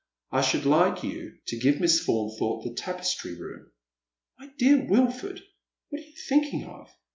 I should like you to give Miss Faunthorpe the tapestry room." " My dear Wilford, what are you thinking of